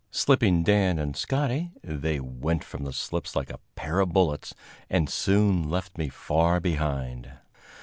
Slipping Dan and Scotty, they went from the slips like a pair of bullets and soon left me far behind.